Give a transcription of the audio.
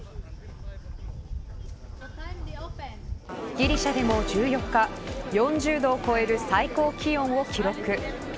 ギリシャでも１４日４０度を超える最高気温を記録。